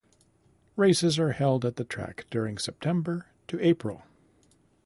Races are held at the track during September to April.